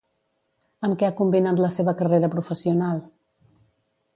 Amb què ha combinat la seva carrera professional?